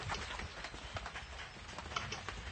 Estudió en el Instituto O'Higgins de Rancagua.